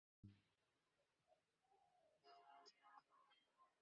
আমি এখনই ডেভলিনকে নির্দেশনা দেব।